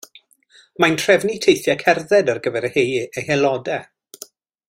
Mae'n trefnu teithiau cerdded ar gyfer ei haelodau.